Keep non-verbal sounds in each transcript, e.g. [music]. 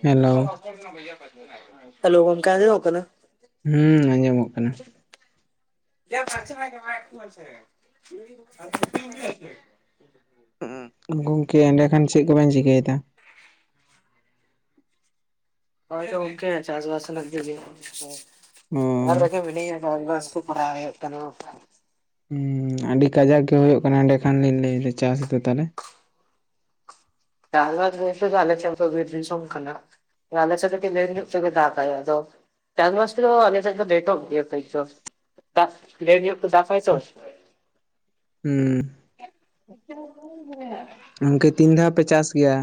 Hello [inaudible] hello ᱜᱚᱝᱠᱮ ᱟᱸᱡᱚᱢᱚᱜ ᱠᱟᱱᱟ? ᱦᱩᱸ ᱟᱸᱡᱚᱢᱚᱜ ᱠᱟᱱᱟ᱾ [unintelligible] ᱜᱚᱝᱠᱮ ᱮᱸᱰᱮ ᱠᱷᱟᱱ ᱪᱮᱜ ᱠᱚᱵᱮᱱ ᱪᱤᱠᱟᱹᱭ ᱮᱫᱟ? ᱦᱳᱭ ᱛᱚ ᱜᱚᱝᱠᱮ ᱪᱟᱥ ᱵᱟᱥ [unintelligible] ᱟᱨ ᱚ ᱵᱟᱠᱷᱟᱡ ᱢᱤᱱᱟᱹᱧᱟ ᱪᱟᱥ ᱵᱟᱥ ᱠᱚ ᱠᱚᱲᱦᱟᱣ ᱦᱩᱭᱩᱜ ᱠᱟᱱᱟ [unintelligible] ᱦᱩᱸ ᱟᱹᱰᱤ ᱠᱟᱡᱟᱠ ᱜᱮ ᱦᱳᱭᱳᱜ ᱠᱟᱱᱟ ᱮᱸᱰᱮ ᱠᱷᱟᱱ ᱞᱤᱧ ᱞᱟᱹᱭᱫᱟ ᱪᱟᱥ ᱛᱮ ᱛᱟᱞᱦᱮ᱾ ᱪᱟᱥ ᱵᱟᱥ ᱵᱚᱞᱛᱮ ᱫᱚ ᱟᱯᱮ ᱥᱮᱱ ᱫᱚ ᱵᱤᱨ ᱫᱤᱥᱚᱢ ᱠᱟᱱᱟ᱾ ᱟᱞᱮ ᱥᱮᱜ ᱠᱟᱴᱤᱡ ᱞᱮᱴ ᱧᱚᱜ ᱛᱮᱠᱮ ᱫᱟᱜ ᱮᱫᱟᱭ ᱟᱫᱚ ᱪᱟᱥ ᱵᱟᱥ ᱠᱚᱫᱚ ᱟᱞᱮ ᱥᱮᱜ ᱫᱚ ᱞᱮᱴᱚᱜ ᱜᱮᱭᱟ ᱠᱟᱹᱡ ᱫᱚ, ᱪᱟᱥ ᱞᱮᱴ ᱧᱚᱜ ᱛᱮ ᱪᱟᱸ ᱟᱭ ᱛᱚ᱾ ᱦᱩᱸ [inaudible] ᱜᱚᱝᱠᱮ ᱛᱤᱱ ᱫᱷᱟᱣ ᱯᱮ ᱪᱟᱥ ᱜᱮᱭᱟ?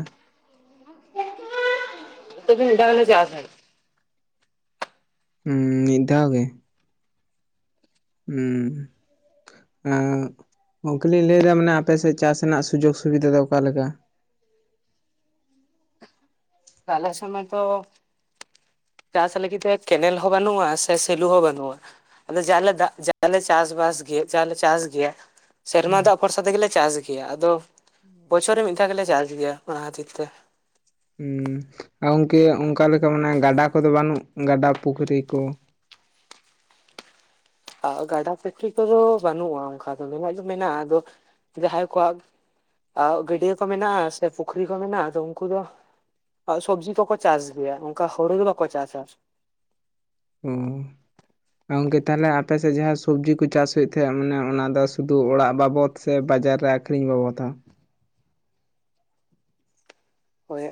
[unintelligible] ᱢᱤᱫ ᱫᱷᱟᱣ ᱪᱟᱥᱟ᱾ ᱦᱩᱸ ᱢᱤᱫ ᱫᱷᱟᱣ ᱜᱮ᱾ ᱦᱩᱸ᱾ ᱚᱹ ᱜᱚᱝᱠᱮ ᱞᱤᱧ ᱞᱟᱹᱭᱮᱫᱟ ᱢᱟᱱᱮ ᱟᱯᱮᱥᱮᱜ ᱪᱟᱥ ᱨᱮᱱᱟᱜ ᱥᱩᱡᱳᱜᱽ ᱥᱩᱵᱤᱫᱷᱟ ᱫᱚ ᱚᱠᱟ ᱞᱮᱠᱟ? ᱟᱞᱮ ᱥᱮᱜ ᱢᱟᱛᱚ ᱪᱟᱥ ᱞᱟᱹᱜᱤᱫ ᱛᱮ ᱠᱮᱱᱮᱞ ᱦᱚᱸ ᱵᱟᱱᱩᱜ-ᱟ ᱥᱮ ᱥᱮᱞᱳ ᱦᱚᱸ ᱵᱟᱹᱱᱩᱜ-ᱟ᱾ ᱟᱫᱚ ᱡᱟᱦᱟᱸ ᱞᱮ ᱫᱟᱜ ᱡᱟᱦᱟᱸ ᱞᱮ ᱪᱟᱥ ᱵᱟᱥ ᱜᱮ ᱡᱟᱞᱮ ᱪᱟᱥᱟ ᱜᱮᱭᱟ ᱥᱮᱨᱢᱟ ᱦᱩᱸ ᱫᱟᱜ ᱯᱷᱚᱨᱥᱟ ᱛᱮᱜᱮ ᱞᱮ ᱪᱟᱥ ᱜᱮᱭᱟ ᱟᱫᱚ ᱵᱚᱪᱷᱚᱨ ᱨᱮ ᱢᱤᱫ ᱫᱷᱟᱣ ᱜᱮᱞᱮ ᱪᱟᱥ ᱜᱮᱭᱟ ᱚᱱᱟ ᱠᱷᱟᱹᱛᱤᱨ ᱛᱮ᱾ ᱦᱩᱸ ᱟ ᱚᱝᱠᱮ ᱚᱱᱠᱟ ᱞᱮᱠᱟ ᱢᱟᱱᱮ ᱜᱟᱰᱟ ᱠᱚᱫᱚ ᱵᱟᱹᱱᱩᱜ, ᱜᱟᱰᱟ ᱯᱩᱠᱷᱨᱤ ᱠᱚ? ᱟ ᱜᱟᱰᱟ ᱯᱷᱠᱨᱤ ᱠᱚᱫᱚ ᱵᱟᱹᱱᱩᱜ-ᱟ ᱚᱱᱠᱟ ᱫᱚ ᱢᱮᱱᱟᱜ ᱫᱚ ᱢᱮᱱᱟᱜ-ᱟ ᱟᱫᱚ ᱡᱟᱦᱟᱸᱭ ᱠᱚᱣᱟᱜ ᱟᱹᱣ ᱜᱟᱹᱰᱭᱟᱹ ᱠᱚ ᱢᱮᱱᱟᱜ-ᱟ ᱥᱮ ᱯᱩᱠᱷᱨᱤ ᱠᱚ ᱢᱮᱱᱟᱜ-ᱟ ᱟᱫᱚ ᱩᱱᱠᱩ ᱫᱚ, ᱥᱚᱵᱽᱡᱤ ᱠᱚᱠᱚ ᱪᱟᱥ ᱜᱮᱭᱟ ᱚᱱᱠᱟ ᱦᱳᱲᱳ ᱫᱚ ᱵᱟᱠᱚ ᱪᱟᱥᱟ᱾ ᱦᱩᱸ᱾ ᱟ ᱜᱚᱝᱠᱮ ᱛᱟᱦᱚᱞᱮ ᱟᱯᱮᱥᱮᱜ ᱡᱟᱦᱟᱸ ᱥᱚᱵᱽᱡᱤ ᱠᱚ ᱪᱟᱥ ᱦᱩᱭᱩᱜ ᱛᱟᱦᱮᱸᱜ ᱢᱟᱱᱮ ᱚᱱᱟ ᱫᱚ ᱥᱩᱫᱷᱩ ᱚᱲᱟᱜ ᱵᱟᱵᱚᱛ ᱥᱮ ᱵᱟᱡᱟᱨ ᱨᱮ ᱟᱠᱷᱨᱤᱧ ᱵᱟᱵᱚᱫ ᱛᱟ᱾ ᱦᱳᱭ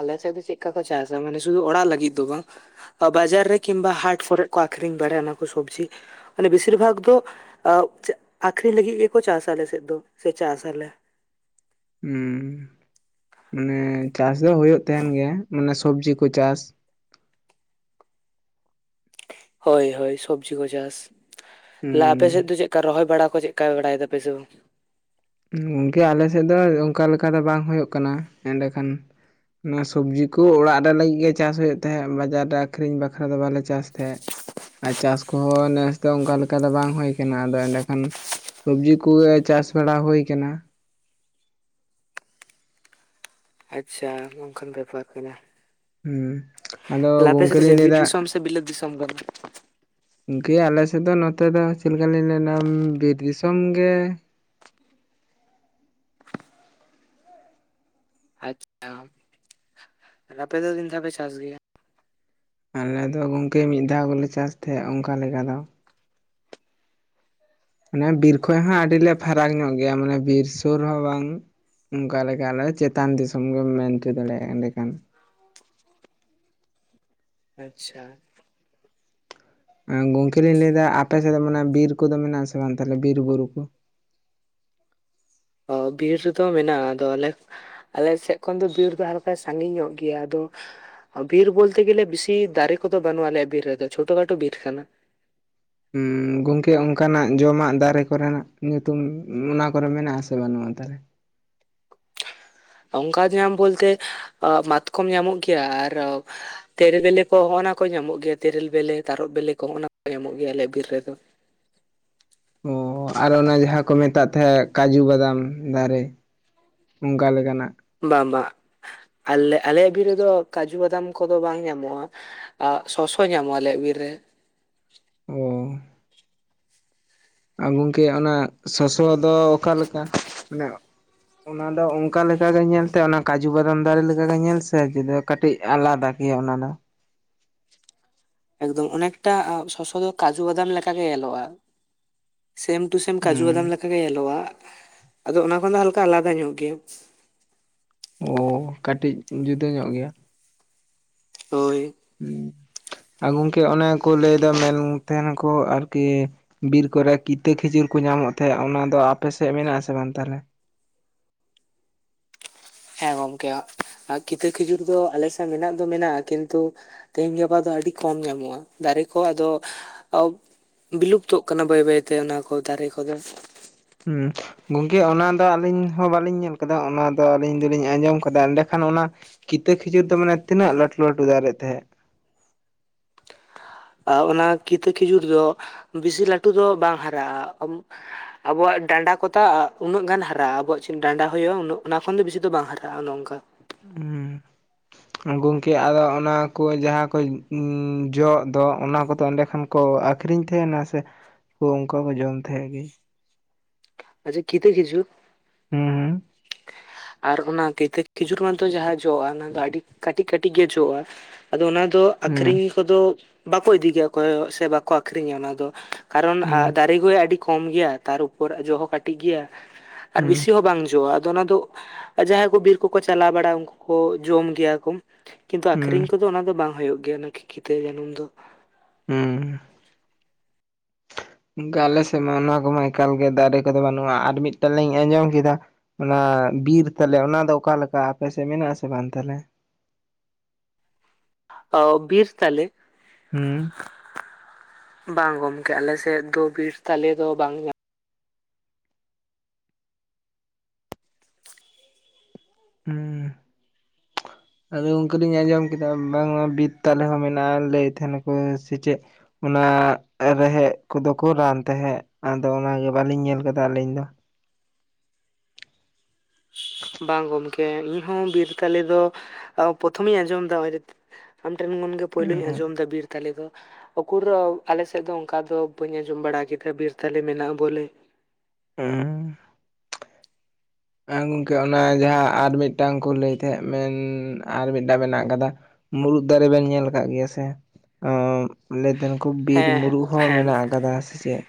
ᱟᱞᱮ ᱥᱮᱜ ᱫᱚ ᱪᱮᱜᱠᱟ ᱠᱚ ᱪᱟᱥᱟ ᱢᱟᱱᱮ ᱥᱩᱫᱷᱩ ᱚᱲᱟᱜ ᱞᱟᱹᱜᱤᱫ ᱫᱚ ᱵᱟᱝ ᱾ ᱵᱟᱡᱟᱨ ᱨᱮ ᱠᱤᱝᱵᱟ ᱦᱟᱴ ᱠᱚᱨᱮ ᱠᱚ ᱟᱠᱷᱨᱤᱧ ᱵᱟᱲᱟᱭᱟ ᱚᱱᱟ ᱠᱚ ᱥᱚᱵᱽᱡᱤ ᱾ ᱢᱟᱱᱮ ᱵᱮᱥᱤᱨ ᱵᱷᱟᱜᱽ ᱫᱚ ᱟ ᱟᱹᱠᱷᱨᱤᱧ ᱞᱟᱹᱜᱤᱫ ᱜᱮᱠᱚ ᱪᱟᱥ ᱟᱞᱮ ᱥᱮᱫ ᱫᱚ ᱥᱮ ᱪᱟᱥ ᱟᱞᱮ ᱾ ᱦᱮᱸ ᱢᱟᱱᱮ ᱪᱟᱥ ᱫᱚ ᱦᱩᱭᱩᱜ ᱛᱟᱦᱮᱱ ᱜᱮᱭᱟ ᱢᱟᱱᱮ ᱥᱚᱵᱽᱡᱤ ᱠᱚ ᱪᱟᱥ ᱾ ᱦᱳᱭ ᱦᱳᱭ ᱥᱚᱵᱽᱡᱤ ᱠᱚ ᱪᱟᱥᱟ ᱟᱯᱮ ᱥᱮᱫ ᱦᱩᱸ ᱫᱚ ᱪᱮᱫ? ᱠᱟ ᱨᱚᱦᱚᱭ ᱵᱟᱲᱟ ᱠᱚ ᱪᱮᱫ ᱠᱟ ᱵᱟᱲᱟᱭ ᱫᱟᱯᱮ ᱥᱮ ᱵᱟᱝ? ᱦᱩᱸ ᱜᱚᱝᱠᱮ ᱟᱞᱮᱥᱮᱫ ᱫᱚ ᱚᱱᱠᱟ ᱞᱮᱠᱟ ᱫᱚ ᱵᱟᱝ ᱦᱩᱭᱩᱜ ᱠᱟᱱᱟ ᱮᱸᱰᱮᱠᱷᱟᱱ ᱾ ᱚᱣᱟ ᱥᱚᱵᱽᱡᱤ ᱠᱚ ᱚᱲᱟᱜ ᱨᱮ ᱞᱟᱹᱜᱤᱫ ᱜᱮ ᱪᱟᱥ ᱦᱩᱭᱩᱜ ᱛᱟᱦᱮᱸᱫ ᱵᱟᱡᱟᱨ ᱨᱮ ᱟᱹᱠᱷᱨᱤᱧ ᱵᱟᱠᱷᱨᱟ ᱫᱚ ᱵᱟᱞᱮ ᱪᱟᱥ ᱛᱟᱦᱮᱸᱫ ᱾ ᱟᱨ ᱪᱟᱥ ᱠᱚᱦᱚᱸ ᱱᱮᱥ ᱫᱚ ᱚᱱᱠᱟ ᱞᱮᱠᱟ ᱫᱚ ᱵᱟᱝ ᱦᱩᱭ ᱠᱟᱱᱟ ᱟᱫᱚ ᱮᱸᱰᱮᱠᱷᱟᱱᱼᱼ ᱥᱚᱵᱽᱡᱤ ᱠᱩ ᱜᱮ ᱪᱟᱥ ᱵᱟᱲᱟ ᱦᱩᱭ ᱠᱟᱱᱟ ᱾ ᱟᱪᱪᱷᱟ ᱱᱚᱝᱠᱟᱱ ᱵᱮᱯᱟᱨ ᱠᱟᱱᱟ ᱾ ᱦᱩᱸ ᱟᱫᱚ ᱟᱯᱮ ᱥᱮᱫ ᱜᱚᱝᱠᱮ ᱫᱚ ᱞᱤᱧ ᱪᱮᱫ ᱵᱤᱨ ᱞᱟᱹᱭᱫᱟ ᱫᱤᱥᱚᱢ ᱥᱮ ᱵᱤᱞᱟᱹᱛ ᱫᱤᱥᱚᱢ ᱠᱟᱱᱟ? ᱜᱚᱝᱠᱮ ᱟᱞᱮᱥᱮᱫ ᱫᱚ ᱱᱚᱛᱮ ᱫᱚ ᱪᱮᱫ ᱞᱮᱠᱟᱞᱤᱧ ᱞᱟᱭᱱᱟ ᱵᱤᱨ ᱫᱤᱥᱚᱢ ᱜᱮᱻ ᱟᱪᱪᱷᱟ ᱟᱯᱮ ᱫᱚ ᱛᱤᱱ ᱫᱷᱟᱣ ᱯᱮ ᱪᱟᱥ ᱜᱮᱭᱟ? ᱟᱞᱮ ᱫᱚ ᱜᱚᱝᱠᱮ ᱢᱤᱫ ᱫᱷᱟᱣ ᱜᱮᱞᱮ ᱪᱟᱥ ᱛᱟᱦᱮᱸᱜ ᱚᱱᱠᱟ ᱞᱮᱠᱟ ᱫᱚ᱾ ᱢᱟᱱᱮ ᱵᱤᱨ ᱠᱷᱚᱡ ᱦᱚᱸ ᱟᱹᱰᱤᱞᱮ ᱯᱷᱟᱨᱟᱠ ᱧᱚᱜ ᱜᱮᱭᱟ ᱢᱟᱱᱮ ᱵᱤᱨ ᱥᱳᱨ ᱦᱚᱸ ᱵᱟᱝ᱾ ᱚᱱᱠᱟ ᱞᱮᱠᱟ ᱟᱞᱮ ᱫᱚ ᱪᱮᱛᱟᱱ ᱫᱤᱥᱚᱢ ᱜᱮᱢ ᱢᱮᱱ ᱦᱚᱪᱚ ᱫᱟᱲᱮᱭᱟᱜᱼᱟ ᱮᱸᱱᱮᱠᱷᱟᱱ ᱾ ᱟᱪᱪᱷᱟ᱾ ᱜᱚᱝᱠᱮ ᱞᱤᱧ ᱞᱟᱹᱭᱫᱟ ᱟᱯᱮ ᱥᱮᱫ ᱫᱚ ᱢᱟᱱᱮ ᱵᱤᱨ ᱠᱚᱫᱚ ᱢᱮᱱᱟᱜ ᱟᱥᱮ ᱵᱟᱝ ᱛᱟᱦᱚᱞᱮ ᱵᱤᱨ ᱵᱩᱨᱩ ᱠᱚ? ᱚ ᱵᱤᱨ ᱨᱮᱫᱚ ᱢᱮᱱᱟᱜᱼᱟ ᱟᱫᱚ ᱟᱞᱮᱻ ᱟᱞᱮ ᱥᱮᱫ ᱠᱷᱚᱱ ᱫᱚ ᱵᱤᱨ ᱫᱚ ᱦᱟᱞᱠᱟ ᱥᱟᱺᱜᱤᱧ ᱧᱚᱜ ᱜᱮᱭᱟ ᱟᱫᱚᱼᱼ ᱵᱤᱨ ᱵᱚᱞᱛᱮ ᱜᱮᱞᱮ ᱵᱤᱥᱤ ᱫᱟᱨᱮ ᱠᱚᱫᱚ ᱵᱟᱹᱱᱩᱜᱼᱟ ᱟᱞᱮᱭᱟᱜ ᱵᱤᱨ ᱨᱮᱫᱚ ᱪᱷᱳᱴᱚ ᱠᱷᱟᱴᱳ ᱵᱤᱨ ᱠᱟᱱᱟ ᱾ ᱦᱩᱸ᱾ ᱜᱚᱝᱠᱮ ᱚᱱᱠᱟᱱᱟᱜ ᱡᱚᱢᱟᱜ ᱫᱟᱨᱮ ᱠᱚᱨᱮᱱᱟᱜ ᱧᱩᱛᱩᱢ ᱚᱱᱟ ᱠᱚᱨᱮ ᱢᱮᱱᱟᱜᱼᱟ ᱟᱥᱮ ᱵᱟᱹᱱᱩᱜᱼᱟ ᱛᱟᱦᱞᱮ? ᱚᱱᱠᱟ ᱧᱟᱢ ᱵᱚᱞᱛᱮ ᱢᱟᱛᱠᱚᱢ ᱧᱟᱢᱚᱜ ᱜᱮᱭᱟ ᱟᱨᱻ ᱛᱮᱨᱮᱞ ᱵᱮᱞᱮ ᱠᱚ ᱦᱚᱸᱜᱼ ᱚᱱᱟ ᱠᱚ ᱧᱟᱢᱚᱜ ᱜᱮᱭᱟ ᱛᱮᱨᱮᱞ ᱵᱮᱞᱮ ᱛᱟᱨᱚᱵ ᱵᱮᱞᱮ ᱠᱚ ᱦᱚᱸᱜᱼ ᱚᱱᱟ ᱠᱚ ᱧᱟᱢᱚᱜ ᱜᱮᱭᱟ ᱟᱞᱮᱭᱟᱜ ᱵᱤᱨ ᱨᱮᱫᱚ ᱾ ᱚ ᱟᱨ ᱚᱱᱟ ᱡᱟᱦᱟᱸᱠᱚ ᱢᱮᱛᱟᱸ ᱛᱟᱦᱮᱸᱫ ᱠᱟᱡᱩ ᱵᱟᱫᱟᱢ ᱫᱟᱨᱮ, ᱚᱱᱠᱟ ᱞᱮᱠᱟᱱᱟᱜ ᱾ ᱵᱟᱝ ᱵᱟᱝ ᱟᱞᱮ ᱟᱞᱮᱭᱟᱜ ᱵᱤᱨ ᱨᱮᱫᱚ ᱠᱟᱡᱩ ᱵᱟᱫᱟᱢ ᱠᱚᱫᱚ ᱵᱟᱝ ᱧᱟᱢᱚᱜᱼᱟ᱾ ᱥᱚᱥᱚ ᱧᱟᱢᱚᱜ-ᱟ ᱟᱞᱮᱭᱟᱜ ᱵᱤᱨ ᱨᱮ ᱾ ᱚ᱾ ᱜᱚᱢᱠᱮ ᱚᱱᱟ ᱥᱚᱥᱚ ᱫᱚ ᱚᱠᱟᱞᱮᱠᱟ ᱢᱟᱱᱮᱼᱼ ᱚᱱᱟ ᱫᱚ ᱚᱱᱠᱟ ᱞᱮᱠᱟᱜᱮ ᱧᱮᱞᱛᱮ ᱚᱱᱟ ᱠᱟᱡᱩ ᱵᱟᱫᱟᱢ ᱫᱟᱨᱮᱞᱮᱠᱟᱜᱮ ᱧᱮᱞ ᱥᱮ ᱡᱩᱫᱟᱹᱼᱼ ᱠᱟᱹᱴᱤᱡ ᱟᱞᱟᱫᱟ ᱜᱮᱭᱟ ᱚᱱᱟ ᱫᱚ ᱾ ᱮᱠᱫᱚᱢ ᱚᱱᱮᱠᱴᱟ ᱥᱚᱥᱚᱫᱚ ᱠᱟᱡᱩ ᱵᱟᱫᱟᱢ ᱞᱮᱠᱟ ᱜᱮ ᱧᱮᱞᱚᱜᱼᱟ᱾ ᱥᱮᱢ ᱴᱩ ᱥᱮᱢ ᱠᱟᱡᱩ ᱵᱟᱫᱟᱢ ᱦᱩᱸ ᱞᱮᱠᱟᱜᱮ ᱧᱮᱞᱚᱜᱼᱟ ᱟᱫᱚ ᱚᱱᱟ ᱠᱷᱚᱱ ᱫᱚ ᱦᱟᱞᱠᱟ ᱟᱞᱟᱫᱟ ᱧᱚᱜ ᱜᱮᱭᱟ᱾ ᱚᱻ ᱠᱟᱹᱴᱤᱡ ᱡᱩᱫᱟᱹ ᱧᱚᱜ ᱜᱮᱭᱟ᱾ ᱦᱳᱭ᱾ ᱦᱩᱸ ᱟᱨ ᱜᱚᱝᱠᱮ ᱚᱱᱮ ᱠᱚ ᱞᱟᱹᱭ ᱫᱟ ᱢᱮᱱ ᱛᱟᱦᱮᱱᱟᱠᱚ ᱟᱨᱠᱤᱼᱼ ᱵᱤᱨ ᱠᱚᱨᱮ ᱠᱤᱛᱟᱹ ᱠᱷᱤᱡᱩᱨ ᱠᱚ ᱧᱟᱢᱚᱜ ᱛᱟᱦᱮᱸᱫ ᱚᱱᱟ ᱫᱚ ᱟᱯᱮᱥᱮᱫ ᱢᱮᱱᱟᱜ ᱟᱥᱮ ᱵᱟᱝ ᱛᱟᱦᱚᱞᱮ? ᱦᱮᱸ ᱜᱚᱝᱠᱮ ᱠᱤᱛᱟᱹ ᱠᱷᱤᱡᱩᱨ ᱫᱚ ᱟᱞᱮ ᱥᱮᱫ ᱢᱮᱱᱟᱜ ᱫᱚ ᱢᱮᱱᱟᱜᱼᱟ ᱠᱤᱱᱛᱩ, ᱛᱮᱦᱤᱧ ᱜᱟᱯᱟ ᱫᱚ ᱟᱹᱰᱤ ᱠᱚᱢ ᱧᱟᱢᱚᱜᱼᱟ ᱫᱟᱨᱮ ᱠᱚ ᱟᱫᱚᱼᱼ ᱵᱤᱞᱩᱯᱛᱚᱜ ᱠᱟᱱᱟ ᱵᱟᱹᱭ ᱵᱟᱹᱭᱛᱮ ᱚᱱᱟ ᱠᱚ ᱫᱟᱨᱮ ᱠᱚᱫᱚ ᱾ ᱦᱩᱸᱻ ᱜᱚᱝᱠᱮ ᱚᱱᱟᱫᱚ ᱟᱹᱞᱤᱧ ᱦᱚᱸ ᱵᱟᱹᱞᱤᱧ ᱧᱮᱞ ᱠᱟᱫᱟ ᱚᱱᱟ ᱫᱚ ᱟᱹᱞᱤᱧ ᱫᱚᱞᱤᱧ ᱟᱸᱡᱚᱢ ᱠᱟᱫᱟ ᱮᱸᱰᱮᱠᱷᱟᱱ ᱚᱱᱟᱼᱼ ᱠᱤᱛᱟᱹ ᱠᱷᱤᱡᱩᱨ ᱫᱚ ᱢᱟᱱᱮ ᱛᱤᱱᱟᱹᱜ ᱞᱟᱹᱴᱷᱩ ᱞᱟᱹᱴᱷᱩ ᱫᱟᱨᱮ ᱛᱟᱦᱮᱸᱜ? ᱟᱻ ᱚᱱᱟ ᱠᱤᱛᱟᱹ ᱠᱷᱤᱡᱩᱨ ᱫᱚ ᱵᱮᱥᱤ ᱞᱟᱹᱴᱩ ᱫᱚ ᱵᱟᱝ ᱦᱟᱨᱟᱜᱼᱟ᱾ ᱟᱵᱚᱣᱟᱜ ᱰᱟᱸᱰᱟ ᱠᱚᱛᱟ ᱩᱱᱟᱹᱜ ᱜᱟᱱ ᱦᱟᱨᱟᱜᱼᱟ᱾ ᱟᱵᱚᱣᱟᱜ ᱪᱮᱫ ᱰᱟᱸᱰᱟ ᱦᱚᱭᱩᱼᱟ᱾ ᱚᱱᱟ ᱠᱷᱚᱱ ᱫᱚ ᱵᱮᱥᱤ ᱵᱟᱝ ᱦᱟᱨᱟᱜᱼᱟ ᱚᱱ ᱚᱝᱠᱟ᱾ ᱦᱩᱸ ᱜᱚᱝᱠᱮ ᱟᱫᱚ ᱚᱱᱟ ᱠᱚ ᱡᱟᱦᱟᱸ ᱠᱚ ᱡᱚᱻ ᱫᱚ ᱚᱱᱟ ᱠᱚᱫᱚ ᱮᱸᱰᱮ ᱠᱷᱟᱱ ᱠᱚ ᱟᱠᱷᱨᱤᱧ ᱛᱟᱦᱮᱸᱱᱟ᱾ ᱥᱮ ᱚᱝᱠᱟ ᱠᱚ ᱡᱚᱢ ᱛᱟᱦᱮᱸᱫ ᱜᱤ? ᱟᱪᱪᱷᱟ ᱠᱤᱛᱟ ᱠᱷᱤᱪᱩᱨ᱾ ᱦᱩᱸ ᱦᱩᱸ᱾ ᱟᱨ ᱚᱱᱟ ᱠᱤᱛᱟᱹ ᱠᱷᱤᱡᱩᱨ ᱢᱟᱛᱚ ᱡᱟᱦᱟᱸ ᱡᱚᱜᱼᱟ᱾ ᱚᱱᱟ ᱫᱚ ᱟᱹᱰᱤ ᱠᱟᱹᱴᱤᱡ ᱠᱟᱹᱴᱤᱡ ᱜᱮ ᱡᱚᱜᱼᱟ᱾ ᱟᱫᱚ ᱚᱱᱟ ᱫᱚᱻᱻ ᱦᱩᱸ ᱟᱠᱷᱨᱤᱧ ᱠᱚᱫᱚ ᱵᱟᱠᱚ ᱤᱫᱤᱭᱟ ᱚᱠᱚᱭ ᱦᱚᱸ ᱥᱮ ᱵᱟᱠᱚ ᱟᱠᱷᱨᱤᱧᱟ ᱚᱱᱟ ᱫᱚ ᱠᱟᱨᱚᱱ ᱦᱩᱸ ᱫᱟᱨᱮ ᱟᱹᱰᱤ ᱠᱚᱢ ᱜᱮᱭᱟ ᱛᱟᱨ ᱩᱯᱚᱨ ᱡᱚ ᱦᱚᱸ ᱠᱟᱹᱴᱤᱡ ᱜᱮᱭᱟ ᱟᱨ ᱦᱩᱸ ᱵᱤᱥᱤ ᱦᱚᱸ ᱵᱟᱝ ᱡᱚᱜᱼᱟ᱾ ᱟᱫᱚ ᱚᱱᱟ ᱫᱚ ᱟᱨ ᱡᱟᱦᱟᱸᱭ ᱠᱚ ᱵᱤᱨ ᱠᱚᱠᱚ ᱪᱟᱞᱟᱣ ᱵᱟᱲᱟᱜ-ᱟ᱾ ᱩᱝᱠᱩ ᱠᱚ ᱡᱚᱢ ᱜᱮᱭᱟ ᱠᱚ᱾ ᱠᱤᱱᱛᱩ ᱦᱩᱸ ᱟᱠᱷᱨᱤᱧ ᱠᱚᱫᱚ ᱚᱱᱟ ᱫᱚ ᱵᱟᱝ ᱦᱩᱭᱩᱜ ᱜᱮᱭᱟ᱾ ᱚᱱᱟ ᱠᱷᱤᱠᱤᱛᱟ ᱡᱟᱹᱱᱩᱢ ᱫᱚ᱾ ᱦᱩᱸ᱾ ᱟᱞᱮᱥᱮᱫ ᱢᱟ ᱚᱱᱟ ᱠᱚᱢᱟ ᱮᱠᱟᱞ ᱜᱮ ᱫᱟᱨᱮ ᱠᱚᱫᱚ ᱵᱟᱹᱱᱩᱜᱼᱟ᱾ ᱟᱨ ᱢᱤᱴᱮᱱ ᱞᱤᱧ ᱟᱸᱡᱚᱢ ᱠᱮᱫᱟ ᱚᱱᱟ ᱵᱤᱨ ᱛᱟᱞᱮ ᱚᱱᱟ ᱫᱚ ᱚᱠᱟ ᱞᱮᱠᱟ ᱟᱯᱮᱥᱮᱫ ᱢᱮᱱᱟᱜ ᱟᱥᱮ ᱵᱟᱝ ᱛᱟᱞᱮ? ᱵᱤᱨ ᱛᱟᱞᱮ? ᱦᱩᱸ ᱵᱟᱝ ᱜᱚᱢᱠᱮ। ᱟᱞᱮᱥᱮᱫ ᱫᱚ ᱵᱤᱨ ᱛᱟᱞᱮ ᱫᱚ ᱵᱟᱝ ᱧᱟ ᱦᱩᱸ ᱟᱫᱚ ᱩᱱᱠᱟ ᱞᱤᱧ ᱟᱸᱡᱚᱢ ᱠᱮᱫᱟ, ᱵᱟᱝᱢᱟ ᱵᱤᱫ ᱛᱟᱞᱮ ᱦᱚᱸ ᱢᱮᱱᱟᱜᱼᱟ ᱞᱟᱹᱭᱮᱫ ᱛᱟᱦᱮᱱᱟᱠᱚ ᱥᱮ ᱪᱮᱫ? ᱚᱱᱟ ᱨᱮᱦᱮᱫᱽ ᱠᱚᱫᱚ ᱠᱚ ᱨᱟᱱ ᱛᱟᱦᱮᱫ ᱟᱫᱚ ᱚᱱᱟᱜᱮ ᱵᱟᱹᱞᱤᱧ ᱧᱮᱞ ᱟᱠᱟᱫᱟ ᱟᱹᱞᱤᱧ ᱫᱚ। ᱵᱟᱝ ᱜᱚᱢᱠᱮ ᱤᱧᱦᱚᱸ ᱵᱤᱨ ᱛᱟᱞᱮ ᱫᱚ, ᱯᱨᱚᱛᱷᱚᱢᱤᱧ ᱟᱸᱡᱚᱢ ᱮᱫᱟ ᱚᱜᱚᱭ ᱟᱢ ᱴᱷᱮᱱ ᱠᱷᱚᱱ ᱜᱮ ᱯᱳᱭᱞᱳᱧ ᱟᱸᱡᱚᱢ ᱫᱟ ᱵᱤᱨ ᱵᱤᱨ ᱛᱟᱞᱤ ᱫᱚ, ᱩᱠᱩᱨ ᱟᱞᱮ ᱥᱮᱫ ᱫᱚ ᱚᱱᱠᱟ ᱫᱚ ᱵᱟᱹᱧ ᱟᱸᱡᱚᱢ ᱵᱟᱲᱟ ᱠᱮᱫᱟ ᱵᱤᱨ ᱛᱟᱞᱮ ᱢᱮᱱᱟᱜᱼᱟ᱾ ᱵᱚᱞᱮ। ᱦᱩᱸ। ᱮᱸ ᱜᱚᱝᱠᱮ ᱚᱱᱟ ᱡᱟᱦᱟᱸ ᱟᱨ ᱢᱤᱫᱴᱟᱱ ᱠᱚ ᱞᱟᱹᱭ ᱛᱟᱦᱮᱸᱫ ᱢᱮᱱ ᱟᱨ ᱢᱤᱴᱟᱝ ᱢᱮᱱᱟᱜ ᱟᱠᱟᱫᱟ? ᱢᱩᱨᱩᱫ ᱫᱟᱨᱮ ᱵᱮᱱ ᱧᱮᱞ ᱠᱟᱜ ᱜᱮᱭᱟ ᱥᱮ? ᱮᱸ ᱞᱟᱹᱭ ᱛᱟᱦᱮᱜ ᱠᱚ, ᱵᱤᱨ ᱦᱮᱸ ᱢᱩᱨᱩᱜ ᱦᱚᱸ ᱦᱮᱸ ᱢᱮᱱᱟᱜ ᱠᱟᱫᱟ ᱥᱮ ᱪᱮᱫ?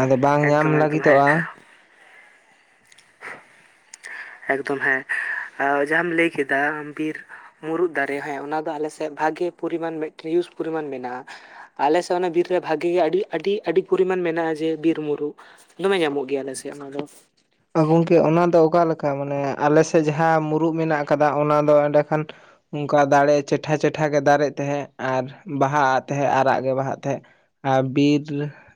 ᱟᱫᱚ ᱵᱟᱝ ᱧᱟᱢ ᱮᱠᱫᱚᱢ ᱮᱠᱫᱚᱢ ᱦᱮᱸ ᱞᱟᱹᱜᱤᱛᱚᱜᱼᱟ ᱮᱠᱫᱚᱢ ᱦᱮᱸ ᱡᱟᱦᱟᱸᱢ ᱞᱟᱹᱭ ᱠᱮᱫᱟ ᱵᱤᱨ ᱢᱩᱨᱩᱫ ᱫᱟᱨᱮ ᱦᱮᱸ ᱚᱱᱟᱫᱚ ᱟᱞᱮᱥᱮᱫ ᱵᱷᱟᱜᱮ ᱯᱚᱨᱤᱢᱟᱱ ᱢᱤᱴᱨᱤᱥ ᱯᱚᱨᱤᱢᱟᱱ ᱢᱮᱱᱟᱜᱼᱟ। ᱟᱞᱮ ᱥᱮᱫ ᱚᱱᱟ ᱵᱤᱨ ᱨᱮ ᱵᱷᱟᱜᱮ ᱜᱮ, ᱟᱹᱰᱤ ᱟᱹᱰᱤ ᱟᱹᱰᱤ ᱯᱚᱨᱤᱢᱟᱱ ᱢᱮᱱᱟᱜᱼᱟ ᱡᱮ ᱢᱩᱨᱩᱜ। ᱫᱚᱢᱮ ᱧᱟᱢᱚᱜ ᱜᱮᱭᱟ ᱟᱞᱮ ᱥᱮᱜ ᱚᱱᱟ ᱫᱚ। ᱜᱚᱢᱠᱮ ᱚᱱᱟ ᱫᱚ ᱚᱠᱟᱞᱮᱠᱟ ᱢᱟᱱᱮ, ᱟᱞᱮᱥᱮᱫ ᱡᱟᱦᱟᱸ ᱢᱩᱨᱩᱫ ᱢᱮᱱᱟᱜ ᱟᱠᱟᱫᱟ ᱚᱱᱟ ᱫᱚ ᱮᱸᱰᱮᱠᱷᱟᱱ ᱚᱝᱠᱟ ᱫᱟᱲᱮ ᱪᱮᱴᱷᱟ ᱪᱮᱴᱷᱟᱮ ᱫᱟᱨᱮᱜ ᱛᱟᱦᱮᱸᱜ ᱟᱨ ᱵᱟᱦᱟᱜᱼᱜ ᱛᱟᱦᱮᱸᱜ ᱟᱨᱟᱜ ᱜᱮ ᱵᱟᱦᱟᱜ ᱛᱟᱦᱮᱸᱫ। ᱟ ᱵᱤᱨᱻ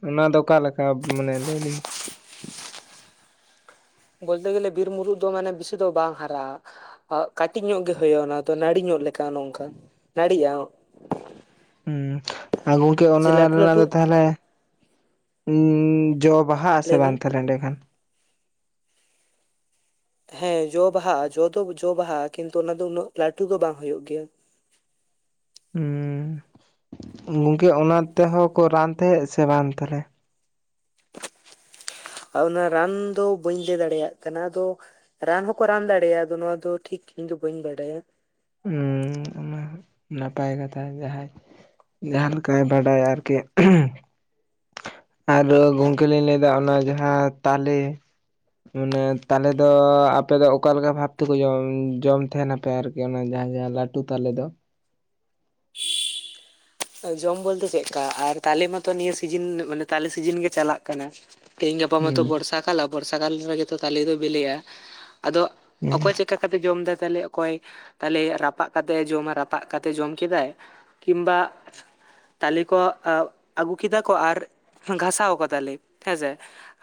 ᱚᱱᱟᱫᱚ ᱚᱠᱟᱞᱮᱠᱟ ᱢᱟᱱᱮ ᱞᱟᱹᱭᱟᱞᱤᱧ ᱢᱮ ᱵᱚᱞᱛᱮ ᱜᱮᱞᱮ ᱵᱤᱨ ᱢᱩᱨᱩᱜ ᱫᱚ ᱢᱟᱱᱮ ᱵᱮᱥᱤ ᱫᱚ ᱵᱟᱝ ᱦᱟᱨᱟᱜᱼᱟ। ᱠᱟᱹᱴᱤᱡ ᱧᱚᱜ ᱜᱮ ᱦᱩᱭᱩᱜᱼᱟ᱾ ᱚᱱᱟ ᱫᱚ ᱱᱟᱹᱲᱤ ᱧᱚᱜ ᱞᱮᱠᱟ ᱱᱚᱝᱠᱟ ᱱᱟᱹᱲᱤᱜᱼᱟ। ᱦᱩᱸ ᱜᱚᱝᱠᱮ ᱡᱮ ᱚᱱᱟ ᱞᱟᱹᱴᱩ ᱨᱮᱱᱟᱜ ᱞᱟᱹᱴᱩ ᱫᱚ ᱛᱟᱦᱚᱞᱮ ᱩᱸᱸ ᱡᱚᱵ ᱵᱟᱦᱟᱜ ᱟᱥᱮ ᱞᱟᱹᱭ ᱵᱤᱱ ᱵᱟᱝ ᱛᱟᱦᱚᱞᱮ ᱮᱱᱰᱮᱠᱷᱟᱱ? ᱦᱮᱸ ᱡᱚ ᱵᱟᱦᱟᱜ-ᱟ᱾ ᱡᱚ ᱫᱚ ᱡᱚ ᱵᱟᱦᱟᱜ-ᱟ ᱠᱤᱱᱛᱩ ᱚᱱᱟ ᱫᱚ ᱩᱱᱟᱹᱜ ᱞᱟᱹᱴᱩ ᱫᱚ ᱵᱟᱝ ᱦᱩᱭᱩᱜ ᱜᱮᱭᱟ। ᱩᱸᱸ ᱜᱚᱝᱠᱮ ᱚᱱᱟ ᱛᱮᱦᱚᱸ ᱠᱚ ᱨᱟᱱ ᱛᱟᱦᱮᱸᱜ ᱥᱮ ᱵᱟᱝ ᱛᱟᱦᱚᱞᱮ? ᱚᱱᱟ ᱨᱟᱱ ᱫᱚ ᱵᱟᱹᱧ ᱞᱟᱹᱭ ᱫᱟᱲᱮᱭᱟᱜ ᱠᱟᱱᱟ ᱟᱫᱚ ᱨᱟᱱ ᱦᱚᱸᱠᱚ ᱨᱟᱱ ᱫᱟᱲᱮᱭᱟᱜᱼᱟ᱾ ᱟᱫᱚ ᱱᱚᱣᱟ ᱫᱚ ᱴᱷᱤᱠ ᱤᱧ ᱫᱚ ᱵᱟᱹᱧ ᱵᱟᱰᱟᱭᱟ। ᱦᱩᱸ ᱚᱱᱟ ᱦᱚᱸ ᱱᱟᱯᱟᱭ ᱠᱟᱛᱷᱟ ᱡᱟᱦᱟᱸᱭ ᱡᱟᱦᱟᱸ ᱞᱮᱠᱟᱭ ᱵᱟᱰᱟᱭᱟ ᱟᱨᱠᱤ᱾ ᱟᱨᱚ ᱜᱚᱝᱠᱮ ᱞᱤᱧ ᱞᱟᱹᱭᱮᱫᱟ ᱚᱱᱟ ᱡᱟᱦᱟᱸ ᱛᱟᱞᱮ᱾ ᱢᱟᱱᱮ ᱛᱟᱞᱮ ᱫᱚ ᱟᱯᱮ ᱫᱚ ᱚᱠᱟᱞᱮᱠᱟ ᱵᱷᱟᱵ ᱛᱮᱠᱚ ᱡᱚᱢ ᱡᱚᱢ ᱛᱟᱦᱮᱱᱟᱯ? ᱯᱮ ᱟᱨᱠᱤ ᱚᱱᱟ ᱡᱟᱦᱟᱸ ᱡᱟᱦᱟᱸ ᱞᱟᱹᱴᱩ ᱛᱟᱞᱮ ᱫᱚ? ᱡᱚᱢ ᱵᱚᱞᱛᱮ ᱪᱮᱫ ᱞᱮᱠᱟ ᱟᱨ ᱛᱟᱞᱮ ᱢᱟᱛᱚ ᱱᱤᱭᱟᱹ ᱥᱤᱡᱤᱱ ᱢᱟᱱᱮ ᱛᱟᱞᱮ ᱥᱤᱡᱤᱱ ᱜᱮ ᱪᱟᱞᱟᱜ ᱠᱟᱱᱟ। ᱛᱮᱦᱤᱧ ᱜᱟᱯᱟ ᱢᱟᱛᱚ ᱦᱩᱸ ᱵᱚᱨᱥᱟ ᱠᱟᱞ, ᱟ ᱵᱚᱨᱥᱟ ᱠᱟᱞ ᱨᱮᱜᱮᱛᱚ ᱛᱟᱞᱮ ᱫᱚ ᱵᱤᱞᱤᱜ-ᱟ᱾ ᱟᱫᱚ ᱦᱩᱸ ᱚᱠᱚᱭ ᱪᱮᱫᱠᱟ ᱠᱟᱛᱮ ᱡᱚᱢᱫᱟᱭ ᱛᱟᱞᱮ, ᱚᱠᱚᱭ ᱛᱟᱞᱮ ᱨᱟᱯᱟᱜ ᱠᱟᱛᱮᱜ-ᱮ ᱡᱚᱢᱟ, ᱨᱟᱯᱟᱜ ᱠᱟᱛᱮ ᱡᱚᱢ ᱠᱮᱫᱟᱭ᱾ ᱠᱤᱢᱵᱟ ᱛᱟᱞᱮ ᱠᱚ ᱟ ᱟᱹᱜᱩ ᱠᱮᱫᱟ ᱠᱚ ᱟᱨ ᱜᱷᱟᱥᱟᱣ ᱟᱠᱚ ᱛᱟᱞᱮ, ᱦᱮᱸᱥᱮ?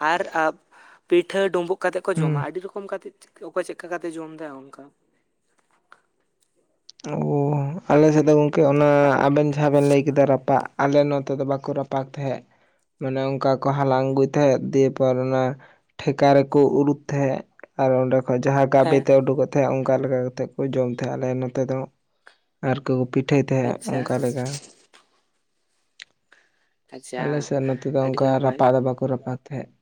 ᱟᱨ ᱟᱯ ᱯᱤᱴᱷᱟᱹ, ᱰᱩᱸᱵᱩᱜ᱾ ᱠᱟᱛᱮᱫ ᱠᱚ ᱦᱩᱸ ᱡᱚᱢᱟ, ᱟᱹᱰᱤ ᱨᱚᱠᱚᱢ ᱠᱟᱛᱮᱫ ᱚᱠᱚᱭ ᱪᱮᱫᱠᱟ ᱠᱟᱛᱮᱜ ᱡᱚᱢ ᱮᱫᱟᱭ ᱚᱱᱠᱟ। ᱚ ᱟᱞᱮ ᱥᱮᱫ ᱫᱚ ᱜᱚᱢᱠᱮ ᱚᱱᱟ ᱟᱵᱮᱱ ᱡᱟᱦᱟᱸ ᱵᱮᱱ ᱞᱟᱹᱭ ᱠᱮᱫᱟ ᱨᱟᱯᱟᱜ᱾ ᱟᱞᱮ ᱱᱚᱛᱮ ᱫᱚ ᱵᱟᱠᱚ ᱨᱟᱯᱟᱜ ᱛᱟᱦᱮᱸᱫ। ᱢᱟᱱᱮ ᱚᱱᱠᱟ ᱠᱚ ᱦᱟᱞᱟᱝ ᱟᱹᱜᱩᱭ ᱛᱟᱦᱮᱸᱫ ᱫᱤᱭᱮ ᱯᱚᱨ ᱚᱱᱟ ᱴᱷᱮᱠᱟ ᱨᱮᱠᱚ ᱩᱨᱩᱫ ᱛᱟᱦᱮᱸᱜ ᱟᱨ ᱚᱸᱰᱮ ᱠᱷᱚᱡ ᱡᱟᱦᱟᱸ ᱦᱮᱸ ᱜᱟᱵᱮᱛᱮ ᱩᱰᱩᱠᱚᱜ ᱛᱟᱦᱮᱸᱫ ᱚᱱᱠᱟ ᱞᱮᱠᱟ ᱠᱟᱛᱮᱫ ᱠᱚ ᱡᱚᱢ ᱛᱟᱦᱮᱸᱫ ᱟᱞᱮ ᱱᱚᱛᱮ ᱫᱚ। ᱟᱨ ᱠᱚᱠᱚ ᱯᱤᱴᱷᱟᱹᱭ ᱛᱟᱦᱮᱸᱫ ᱟᱪᱪᱷᱟ ᱚᱱᱠᱟ ᱞᱮᱠᱟ᱾ ᱟᱪᱪᱷᱟ ᱟᱞᱮ ᱥᱮᱫ ᱱᱚᱛᱮ ᱫᱚ ᱟᱹᱰᱤ ᱚᱱᱠᱟ ᱱᱟᱯᱟᱭ ᱨᱟᱯᱟᱜ ᱫᱚ ᱵᱟᱠᱚ ᱨᱟᱯᱟᱜ ᱛᱟᱦᱮᱸᱫ᱾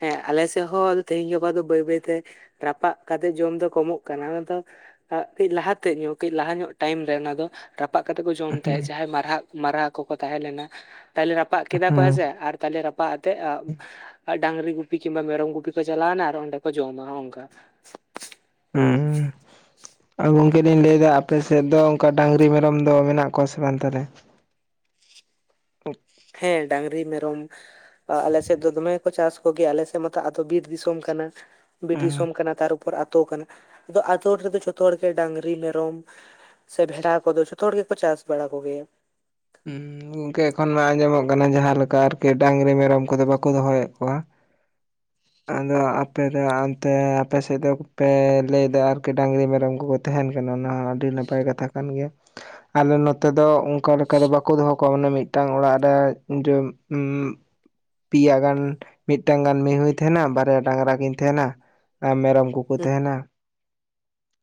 ᱦᱮᱸ ᱟᱞᱮ ᱥᱮ ᱦᱚᱸ ᱟᱫᱚ ᱛᱮᱦᱤᱧ ᱜᱟᱯᱟ ᱫᱚ ᱵᱟᱹᱭ ᱵᱟᱹᱭᱛᱮ ᱨᱟᱯᱟᱜ ᱠᱟᱛᱮ ᱡᱚᱢ ᱫᱚ ᱠᱚᱢᱚᱜ ᱠᱟᱱᱟ, ᱚᱱᱟᱛᱚ ᱟᱜ ᱠᱟᱹᱡ ᱞᱟᱦᱟᱛᱮ ᱧᱚᱜ ᱠᱟᱹᱡ ᱞᱟᱦᱟ ᱧᱚᱜ ᱴᱟᱭᱤᱢ ᱨᱮ ᱚᱱᱟ ᱫᱚ᱾ ᱨᱟᱯᱟᱜ ᱠᱟᱛᱮᱜ ᱠᱚ ᱡᱚᱢ ᱛᱟᱦᱮᱸ, ᱡᱟᱦᱟᱸᱭ ᱢᱟᱨᱦᱟᱜ ᱢᱟᱨᱦᱟ ᱠᱚᱠᱚ ᱛᱟᱦᱮᱸ ᱞᱮᱱᱟ, ᱛᱟᱦᱚᱞᱮ ᱨᱟᱯᱟᱜ ᱠᱮᱫᱟ ᱠᱚ ᱦᱩᱸ ᱦᱮᱸᱥᱮ ᱟᱨ ᱛᱟᱦᱞᱮ ᱨᱟᱯᱟᱜ ᱟᱛᱮᱜ ᱦᱩᱸ ᱟ ᱰᱟᱝᱨᱤ ᱜᱩᱯᱤ ᱠᱤᱝᱵᱟ ᱢᱮᱨᱚᱢ ᱜᱩᱯᱤ ᱠᱚ ᱪᱟᱞᱟᱣᱱᱟ ᱟᱨ ᱚᱸᱰᱮ ᱠᱚ ᱡᱚᱢᱟ ᱦᱚ-ᱚᱝᱠᱟ᱾ ᱦᱩᱸ᱾ ᱟ ᱜᱚᱝᱠᱮ ᱞᱤᱧ ᱞᱟᱹᱭᱮᱫᱟ ᱟᱯᱮ ᱥᱮᱫ ᱫᱚ ᱚᱱᱠᱟ ᱰᱟᱹᱟᱝᱨᱤ ᱢᱮᱨᱚᱢ ᱫᱚ ᱢᱮᱱᱟᱜ ᱠᱚᱣᱟ ᱥᱮ ᱵᱟᱝ ᱛᱟᱞᱦᱮ? ᱦᱮᱸ ᱰᱟᱝᱨᱤ ᱢᱮᱨᱚᱢ ᱟ ᱟᱞᱮᱥᱮᱫ ᱫᱚ ᱫᱚᱢᱮ ᱠᱚ ᱪᱟᱥ ᱠᱚᱜᱮᱭᱟ, ᱟᱞᱮ ᱥᱮᱫ ᱢᱟᱛᱚ ᱟᱹᱛᱩ ᱵᱤᱨ ᱫᱤᱥᱚᱢ ᱠᱟᱱᱟ᱾ ᱵᱤᱨ ᱫᱤᱥᱚᱢ ᱠᱟᱱᱟ ᱛᱟᱨ ᱩᱯᱚᱨ ᱟᱛᱳ ᱠᱟᱱᱟ, ᱟᱫᱚ ᱟᱛᱳ ᱨᱮᱫᱚ ᱡᱷᱚᱛᱚ ᱦᱚᱲᱜᱮ ᱰᱟᱝᱨᱤ ᱢᱮᱨᱚᱢ ᱥᱮ ᱵᱷᱮᱰᱟ ᱠᱚᱫᱚ ᱡᱷᱚᱛᱚ ᱦᱚᱲ ᱜᱮᱠᱚ ᱪᱟᱥ ᱵᱟᱲᱟ ᱠᱚ ᱜᱮᱭᱟ᱾ ᱩᱸ ᱜᱚᱝᱠᱮ ᱮᱠᱷᱚᱱ ᱢᱟ ᱟᱸᱡᱚᱢᱚᱜ ᱠᱟᱱᱟ ᱡᱟᱦᱟ ᱞᱮᱠᱟ ᱟᱨᱠᱤ ᱰᱟᱝᱨᱤ ᱢᱮᱨᱚᱢ ᱠᱚᱫᱚ ᱵᱟᱠᱚ ᱫᱚᱦᱚᱭᱮᱫ ᱠᱚᱣᱟ᱾ ᱟᱫᱚ ᱟᱯᱮ ᱫᱚ ᱚᱱᱛᱮ ᱟᱯᱮ ᱥᱮᱫ ᱫᱚᱠᱯᱮ ᱞᱟᱹᱭᱫᱟ ᱟᱨᱠᱤ ᱰᱟᱝᱨᱤ ᱢᱮᱨᱚᱢ ᱠᱚᱠᱚ ᱛᱟᱦᱮᱱ ᱠᱟᱱᱟ ᱚᱱᱟ ᱦᱚᱸ ᱟᱹᱰᱤ ᱱᱟᱯᱟᱭ ᱠᱟᱛᱷᱟ ᱠᱟᱱ ᱜᱮᱭᱟ᱾ ᱟᱞᱮ ᱱᱚᱛᱮ ᱫᱚ ᱚᱱᱠᱟ ᱞᱮᱠᱟ ᱫᱚ ᱵᱟᱠᱚ ᱫᱚᱦᱚ ᱠᱚᱣᱟ ᱢᱟᱱᱮ ᱢᱤᱫᱴᱟᱝ ᱚᱲᱟᱜ ᱨᱮ [unintelligible] ᱩᱸᱢ ᱯᱤᱭᱟ ᱜᱟᱱ, ᱢᱤᱫᱴᱟᱝ ᱜᱟᱱ ᱢᱤᱦᱩᱭ ᱛᱟᱦᱮᱱᱟ, ᱵᱟᱨᱭᱟ ᱰᱟᱝᱨᱟ ᱠᱤᱱ ᱛᱟᱦᱮᱱᱟ ᱟᱨ ᱢᱮᱨᱚᱢ ᱠᱚᱠᱚ ᱛᱟᱦᱮᱱᱟ᱾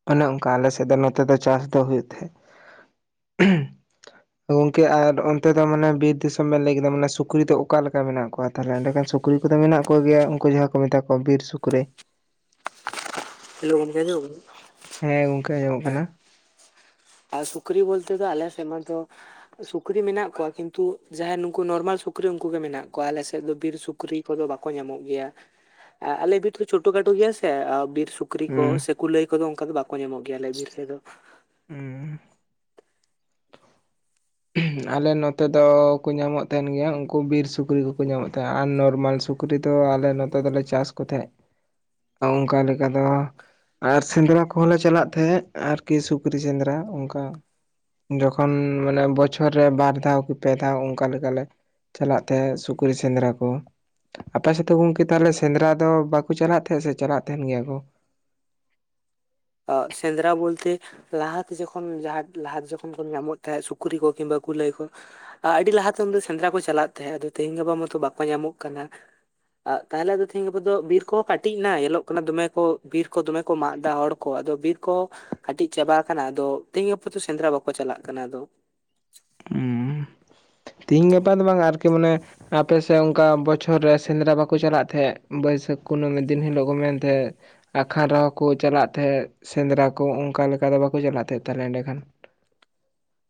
ᱚᱱᱮ ᱚᱱᱠᱟ ᱟᱞᱮ ᱥᱮᱫ ᱫᱚ ᱱᱚᱛᱮ ᱫᱚ ᱪᱟᱥ ᱫᱚ ᱦᱩᱭᱩᱜ ᱛᱟᱦᱮᱸᱫ᱾ ᱛᱚ ᱜᱚᱝᱠᱮ ᱟᱨ ᱚᱱᱛᱮ ᱫᱚ ᱢᱟᱱᱮ ᱵᱤᱨ ᱫᱤᱥᱚᱢ ᱵᱮᱱ ᱞᱟᱹᱭ ᱠᱮᱫᱟ ᱢᱟᱱᱮ ᱥᱩᱠᱨᱤ ᱫᱚ ᱚᱠᱟᱞᱮᱠᱟ ᱢᱮᱱᱟᱜ ᱠᱚᱣᱟ? ᱛᱟᱦᱚᱞᱮ ᱮᱸᱰᱮ ᱠᱷᱟᱱ ᱥᱩᱠᱨᱤ ᱠᱚᱫᱚ ᱢᱮᱱᱟᱜ ᱠᱚᱜᱮᱭᱟ᱾ ᱠᱩ ᱡᱟᱦᱟᱸᱭ ᱠᱚ ᱢᱮᱛᱟ ᱠᱚᱣᱟ ᱵᱤᱨ ᱥᱩᱠᱨᱤ᱾ ᱦᱮᱞᱳ ᱜᱚᱢᱠᱮ ᱟᱸᱡᱚᱢᱟᱜ ᱠᱟᱱᱟ? ᱦᱮᱸ ᱜᱚᱝᱠᱮ ᱟᱸᱡᱟᱢᱚᱜ ᱠᱟᱱᱟ᱾ ᱦᱮᱸ ᱟᱨ ᱥᱩᱠᱨᱤ ᱵᱚᱞᱛᱮ ᱫᱚ ᱟᱞᱮ ᱥᱮ ᱢᱟ ᱫᱚ ᱥᱩᱠᱨᱤ ᱢᱮᱱᱟᱜ ᱠᱚᱣᱟ ᱠᱤᱱᱛᱩ ᱡᱟᱦᱟᱸᱭ ᱱᱩᱠᱩ ᱱᱚᱨᱢᱟᱞ ᱥᱩᱠᱨᱤ ᱩᱱᱠᱩᱜᱮ ᱢᱮᱱᱟᱜ ᱠᱚᱣᱟ, ᱟᱞᱮ ᱥᱮᱫᱚ ᱵᱤᱨ ᱥᱩᱠ ᱠᱨᱤ ᱠᱚᱫᱚ ᱵᱟᱠᱚ ᱧᱟᱢᱚᱜ ᱜᱮᱭᱟ᱾ ᱮ ᱟᱞᱮ ᱵᱤᱨ ᱫᱚ ᱪᱷᱳᱴᱳ ᱠᱷᱟᱴᱚ ᱜᱮᱭᱟ ᱥᱮ ᱟ ᱵᱤᱨ ᱥᱩᱠ ᱠᱨᱤ ᱠᱚ ᱦᱩᱸ ᱥᱮ ᱠᱩᱞᱟᱹᱭ ᱠᱚᱫᱚ ᱚᱱᱠᱟ ᱫᱚ ᱵᱟᱠᱚ ᱧᱟᱢᱚᱜ ᱜᱮᱭᱟ ᱟᱞᱮ ᱵᱤᱨ ᱥᱮᱫ ᱫᱚ᱾ ᱩᱢᱸᱻ ᱟᱞᱮ ᱱᱚᱛᱮ ᱫᱚ ᱠᱩ ᱧᱟᱢᱚᱜ ᱛᱟᱦᱮᱱ ᱜᱮᱭᱟ, ᱩᱱᱠᱩ ᱵᱤᱨ ᱥᱩᱠᱨᱤ ᱠᱚᱠᱚ ᱧᱟᱢᱚᱜ ᱛᱟᱦᱮᱱᱟ ᱟᱨ ᱱᱚᱨᱢᱟᱞ ᱥᱩᱠ ᱩᱠᱨᱤ ᱫᱚ ᱟᱞᱮ ᱱᱚᱛᱮ ᱫᱚᱞᱮ ᱪᱟᱥ ᱠᱚ ᱛᱟᱦᱮᱸᱜ ᱚᱱᱠᱟ ᱞᱮᱠᱟ ᱫᱚ ᱟᱨ ᱥᱮᱸᱫᱽᱨᱟ ᱠᱚᱦᱚᱸ ᱞᱮ ᱪᱟᱞᱟᱜ ᱛᱟᱦᱮᱸᱜ ᱟᱨᱠᱤ ᱥᱩᱠᱨᱤ ᱥᱮᱸᱫᱽᱨᱟ ᱚᱱᱠᱟ ᱡᱚᱠᱷᱚᱱ ᱢᱟᱱᱮ ᱵᱚᱪᱷᱚᱨ ᱨᱮ ᱵᱟᱨ ᱫᱷᱟᱣ, ᱠᱤ ᱯᱮ ᱫᱷᱟᱣ, ᱚᱱᱠᱟ ᱞᱮᱠᱟ ᱞᱮ ᱪᱟᱞᱟᱜ ᱛᱟᱦᱮᱸ ᱥᱩᱠᱨᱤ ᱥᱮᱸᱫᱽᱨᱟ ᱠᱚ ᱾ ᱟᱯᱮ ᱥᱮᱫ ᱫᱚ ᱜᱚᱝᱠᱮ ᱛᱟᱦᱚᱞᱮ ᱥᱮᱸᱫᱽᱨᱟ ᱫᱚ ᱵᱟᱠᱚ ᱪᱟᱞᱟᱜ ᱛᱟᱦᱮᱸᱫ, ᱥᱮ ᱪᱟᱞᱟᱜ ᱛᱟᱦᱮᱱ ᱜᱮᱭᱟ ᱠᱚ? ᱟ ᱥᱮᱸᱫᱽᱨᱟ ᱵᱚᱞᱛᱮ ᱞᱟᱦᱟᱛᱮ ᱡᱚᱠᱷᱚᱱ, ᱡᱟᱦᱟ ᱞᱟᱦᱟᱛᱮ ᱡᱚᱠᱷᱚᱱ ᱠᱚ ᱧᱟᱢᱚᱜ ᱛᱟᱦᱮᱸᱫ ᱥᱩᱠᱨᱤ ᱠᱚ ᱠᱤᱝᱵᱟ ᱠᱩᱞᱟᱹᱭ ᱠᱚ, ᱟ ᱟᱹᱰᱤ ᱞᱟᱦᱟᱛᱮ ᱩᱱᱫᱚ ᱥᱮᱸᱫᱽᱨᱟ ᱠᱚ ᱪᱟᱞᱟᱜ ᱛᱟᱦᱮᱸᱫ, ᱟᱫᱚ ᱛᱤᱦᱤᱧ ᱜᱟᱯᱟ ᱢᱟᱛᱚ ᱵᱟᱠᱚ ᱧᱟᱢᱚᱜ ᱠᱟᱱᱟ, ᱟ ᱛᱟᱦᱞᱮ ᱟᱫᱚ ᱛᱤᱦᱤᱧ ᱜᱟᱯᱟ ᱫᱚ, ᱵᱤᱨ ᱠᱚᱦᱚᱸ ᱠᱟᱹᱴᱤᱡ ᱮᱱᱟ ᱧᱮᱞᱚᱜ ᱠᱟᱱᱟ ᱫᱚᱢᱮ ᱠᱚ, ᱵᱤᱨ ᱠᱚ ᱫᱚᱢᱮ ᱠᱚ ᱢᱟᱜ ᱮᱫᱟ ᱦᱚᱲ ᱠᱚ, ᱟᱫᱚ ᱵᱤᱨ ᱠᱚ ᱠᱟᱹᱴᱤᱡ ᱪᱟᱵᱟ ᱣᱟᱠᱟᱱᱟ, ᱟᱫᱚ ᱛᱤᱦᱤᱧ ᱜᱟᱯᱟ ᱫᱚ ᱥᱮᱸᱫᱽᱨᱟ ᱵᱟᱠᱚ ᱪᱟᱞᱟᱜ ᱠᱟᱱᱟ ᱟᱫᱚ ᱾ ᱛᱤᱦᱤᱧ ᱜᱟᱯᱟ ᱫᱚ ᱵᱟᱝ ᱟᱨᱠᱤ ᱢᱟᱱᱮ ᱟᱯᱮᱥᱮ ᱚᱱᱠᱟ ᱵᱚᱪᱷᱚᱨ ᱨᱮ ᱥᱮᱸᱫᱽᱨᱟ ᱵᱟᱠᱚ ᱪᱟᱞᱟᱜ ᱛᱮᱦᱮᱸᱫ, ᱵᱟᱹᱭᱥᱟᱹᱠᱷ ᱠᱩᱱᱟᱹᱢᱤ ᱫᱤᱱ ᱦᱤᱞᱳᱜ ᱠᱚ ᱢᱮᱱ ᱛᱮᱦᱮᱸᱫ ᱟᱠᱷᱟᱱ ᱨᱮᱦᱚᱸ ᱠᱩ ᱪᱟᱞᱟᱜ ᱛᱟᱦᱮᱸᱜ, ᱥᱮᱸᱫᱽᱨᱟ ᱠᱩ ᱚᱱᱠᱟ ᱞᱮᱠᱟ ᱫᱚ ᱵᱟᱠᱩ ᱪᱟᱞᱟᱜ ᱛᱟᱦᱮᱱ ᱛᱟᱦᱚᱞᱮ ᱮᱸᱰᱮ ᱠᱷᱟᱱ?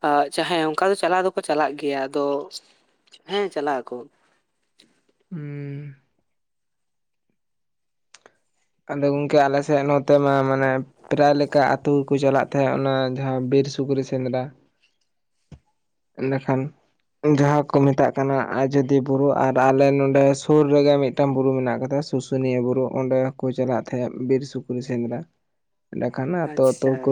ᱟ ᱪᱟ ᱦᱮᱸ, ᱚᱱᱠᱟ ᱫᱚ ᱪᱟᱞᱟ ᱫᱚᱠᱚ ᱪᱟᱞᱟᱜ ᱜᱮᱭᱟ, ᱟᱫᱚ ᱦᱮᱸ ᱪᱟᱞᱟᱜ ᱟᱠᱚ᱾ ᱦᱩᱸ ᱟᱫᱚ ᱜᱚᱝᱠᱮ ᱟᱞᱮ ᱥᱮᱫ, ᱱᱚᱛᱮ ᱢᱟ ᱢᱟᱱᱮ ᱯᱨᱟᱭ ᱞᱮᱠᱟ ᱟᱹᱛᱩᱜᱮᱠᱩ ᱪᱟᱞᱟᱜ ᱛᱟᱦᱮᱸᱜ, ᱚᱱᱟ ᱡᱟᱦᱟᱸ ᱵᱤᱨ ᱥᱩᱠᱨᱤ ᱥᱮᱸᱫᱽᱨᱟ ᱾ ᱮᱱᱮᱠᱷᱟᱱ ᱡᱟᱦᱟᱸ ᱠᱚ ᱢᱮᱛᱟᱜ ᱠᱟᱱᱟ ᱟᱡᱚᱫᱤᱭᱟᱹ ᱵᱩᱨᱩ, ᱟᱨ ᱟᱞᱮ ᱱᱚᱸᱰᱮ ᱥᱩᱨ ᱨᱮᱜᱮ ᱢᱤᱫ ᱴᱟᱝ ᱵᱩᱨᱩ ᱢᱮᱱᱟᱜ ᱟᱠᱟᱫᱟ, ᱥᱩᱥᱩᱱᱤᱭᱟᱹ ᱵᱩᱨᱩ ᱚᱸᱰᱮ ᱠᱚ ᱪᱟᱞᱟᱜ ᱛᱟᱦᱮᱸᱫ, ᱵᱤᱨ ᱥᱩᱠᱨᱤ ᱥᱮᱸᱫᱽᱨᱟ ᱮᱸᱰᱮᱠᱷᱟᱱ ᱟᱛᱳ ᱟᱛᱳ ᱠᱚ ᱟᱪᱪᱷᱟ